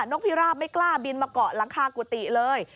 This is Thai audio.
กพิราบไม่กล้าบินมาเกาะหลังคากุฏิเลย